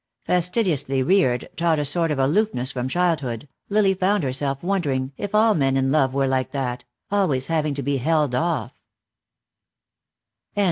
Fastidiously reared, taught a sort of aloofness from childhood, Lily found herself wondering if all men in love were like that, always having to be held off.